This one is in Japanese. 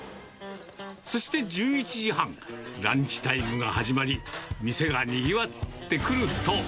そして１１時半、ランチタイムが始まり、店がにぎわってくると。